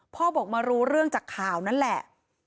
พ่อบอกมารู้เรื่องจากข่าวนั่นแหละ